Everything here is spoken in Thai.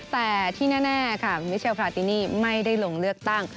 แต่ที่แน่ค่ะมิเชลพราตินี่ไม่ได้ลงเลือกตั้ง